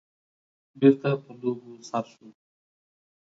بېرته په لوبو سر شو.